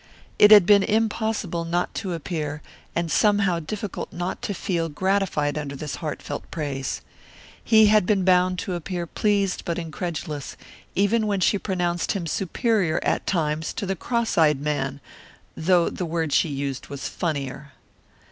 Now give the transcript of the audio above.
It had been impossible not to appear, and somehow difficult not to feel, gratified under this heartfelt praise. He had been bound to appear pleased but incredulous, even when she pronounced him superior, at times, to the cross eyed man though the word she used was "funnier."